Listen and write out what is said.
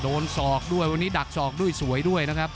ศอกด้วยวันนี้ดักศอกด้วยสวยด้วยนะครับ